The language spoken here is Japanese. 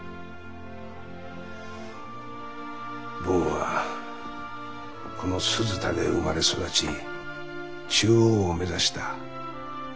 ボンはこの鈴田で生まれ育ち中央を目指した。